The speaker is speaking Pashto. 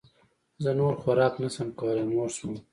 زه نور خوراک نه شم کولی موړ شوم